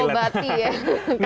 sudah terobati ya kangen ya